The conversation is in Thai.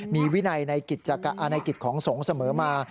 มีวินัยในกิจของสงฆ์เสมอมา